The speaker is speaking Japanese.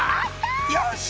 よし！